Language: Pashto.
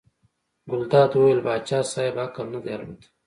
ګلداد وویل پاچا صاحب عقل نه دی الوتی.